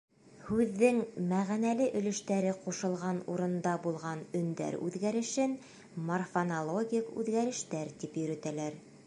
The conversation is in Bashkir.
Һүҙҙең мәғәнәле өлөштәре ҡушылған урында булган өндәр үҙгәрешен морфонологик үҙгәрештәр тип йөрөтәләр.